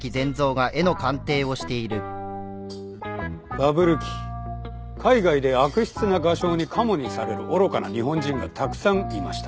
バブル期海外で悪質な画商にかもにされる愚かな日本人がたくさんいました。